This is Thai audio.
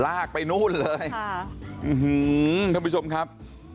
ลากไปนู่นเลยคุณผู้ชมครับ